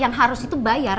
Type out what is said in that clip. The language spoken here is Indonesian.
yang harus itu bayar